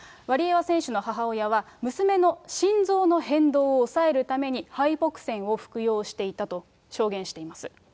ワリエワ選手の母親は、娘の心臓の変動を抑えるために、ハイポクセンを服用していたと証言しています。